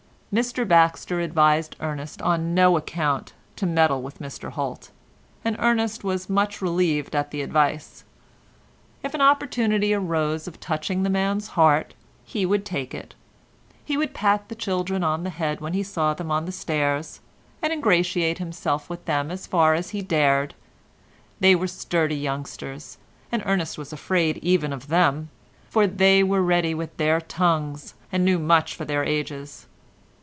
Mr Baxter advised Ernest on no account to meddle with Mr Holt, and Ernest was much relieved at the advice. If an opportunity arose of touching the man's heart, he would take it; he would pat the children on the head when he saw them on the stairs, and ingratiate himself with them as far as he dared; they were sturdy youngsters, and Ernest was afraid even of them, for they were ready with their tongues, and knew much for their ages.